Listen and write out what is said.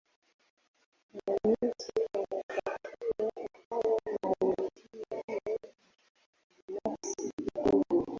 mwenyeji anatakiwa kufanya mahojiano binafsi kidogo